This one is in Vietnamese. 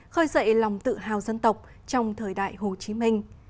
khơi dậy lòng tự hào dân tộc trong thời đại hồ chí minh